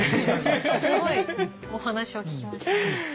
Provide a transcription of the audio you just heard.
すごいお話を聞きましたね。